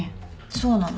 そうなの。